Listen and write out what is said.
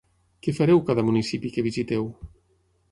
Què fareu cada municipi que visiteu?